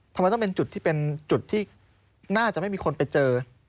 ทำไมต้องเป็นจุดที่เป็นจุดที่น่าจะไม่มีคนไปเจอ